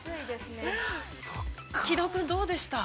◆木戸君、どうでした？